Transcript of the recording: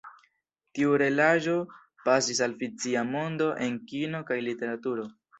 Tiu realaĵo pasis al fikcia mondo en kino kaj literaturo.